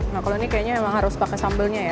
nah kalau ini kayaknya memang harus pakai sambalnya ya